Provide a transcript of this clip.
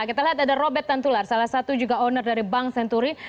kita lihat ada robert tantular salah satu juga owner dari bank senturi